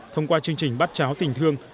thông qua chương trình bát cháo tình thương